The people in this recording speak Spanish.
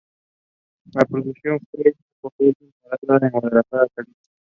La producción fue hecha por Odin Parada, en Guadalajara, Jalisco.